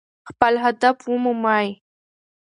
خپل هدف ومومئ.